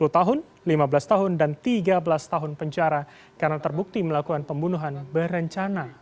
sepuluh tahun lima belas tahun dan tiga belas tahun penjara karena terbukti melakukan pembunuhan berencana